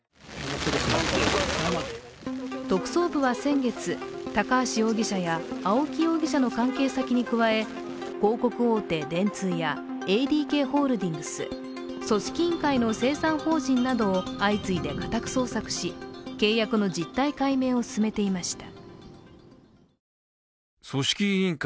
特捜部は先月、高橋容疑者や青木容疑者の関係先に加え広告大手・電通やＡＤＫホールディングス、組織委員会の清算法人などを相次いで家宅捜索し、契約の実態解明を進めていました。